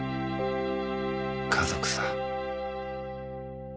家族さ。